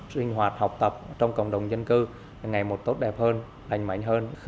sinh hoạt học tập trong cộng đồng dân cư ngày một tốt đẹp hơn lành mạnh hơn